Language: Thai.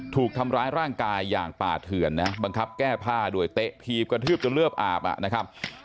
ถูกทำร้ายร่างกายอย่างป่าเถื่อนนะบังคับแก้ผ้าด้วยเตะถีบกระทืบจนเลือดอาบอ่ะนะครับ